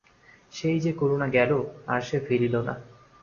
সেই যে করুণা গেল, আর সে ফিরিল না।